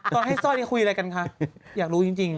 ตอนให้สร้อยนี่คุยอะไรกันคะอยากรู้จริง